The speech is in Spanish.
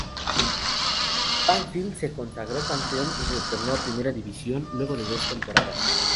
Banfield se consagró campeón y retornó a Primera División luego de dos temporadas.